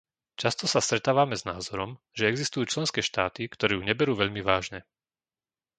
Často sa stretávame s názorom, že existujú členské štáty, ktoré ju neberú veľmi vážne.